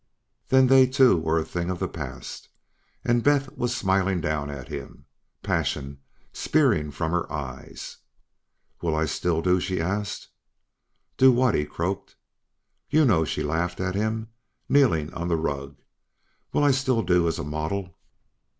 Then they too were a thing of the past, and Beth was smiling down at him, passion spearing from her eyes. "Will I still do?" She asked. "Do what?" He croaked. "You know?" She laughed at him, kneeling on the rug. "Will I still do as a model?"